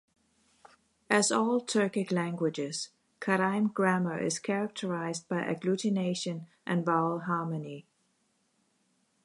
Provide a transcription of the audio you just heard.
As all Turkic languages, Karaim grammar is characterized by agglutination and vowel harmony.